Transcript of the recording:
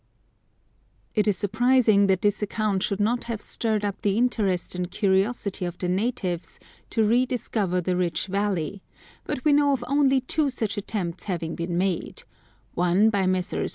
It is surprising that this account should not have stirred up the interest and curiosity of the natives to rediscover the rich valley, but we know of only two such attempts having been made : one by Messrs.